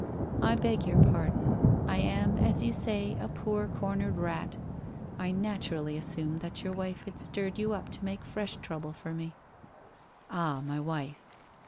' I beg your pardon. I am, as you say, a poor cornered rat. I naturally as sumed that your wife had stirred you up to make fresh trouble for me/ 'Ah, my wife.